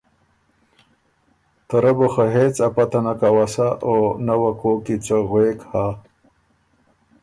ته رۀ بو خه هېڅ ا پته نک اؤسا او نۀ وه کوک کی څه غوېک هۀ